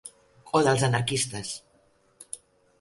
O dels anarquistes